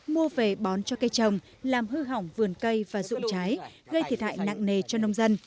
mua về bón cho cây trồng làm hư hỏng vườn cây và ruộng trái gây thiệt hại nặng nề cho nông dân